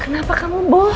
kenapa kamu bohong sih